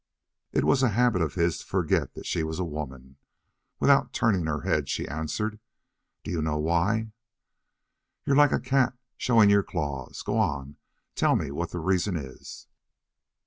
It was a habit of his to forget that she was a woman. Without turning her head she answered: "Do you want to know why?" "You're like a cat showing your claws. Go on! Tell me what the reason is."